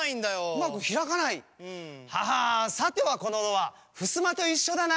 うまくひらかない？ははぁさてはこのドアふすまといっしょだな。